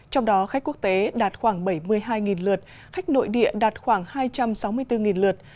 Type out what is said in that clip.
trong đó khách quốc tế đạt khoảng bảy mươi hai lượt khách nội địa đạt khoảng hai trăm sáu mươi bốn lượt